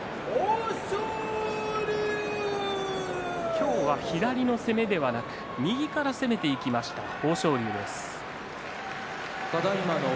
今日は左の攻めではなく右から攻めていきました豊昇龍。